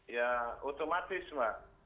ya otomatis pak